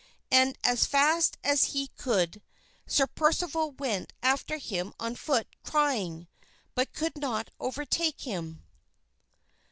And as fast as he could Sir Percival went after him on foot, crying, but could not overtake him.